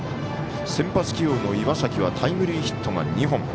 先発起用の岩崎はタイムリーヒットが２本。